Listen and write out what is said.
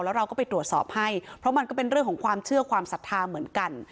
แล้วเราก็ไปตรวจสอบให้เพราะมันก็เป็นเรื่องของความเชื่อความศรัทธาเหมือนกัน